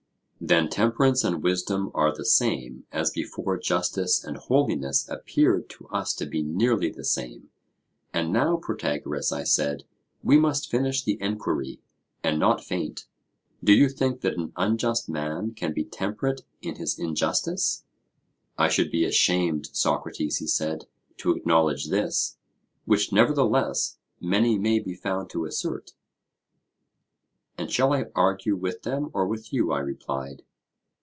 Then temperance and wisdom are the same, as before justice and holiness appeared to us to be nearly the same. And now, Protagoras, I said, we must finish the enquiry, and not faint. Do you think that an unjust man can be temperate in his injustice? I should be ashamed, Socrates, he said, to acknowledge this, which nevertheless many may be found to assert. And shall I argue with them or with you? I replied.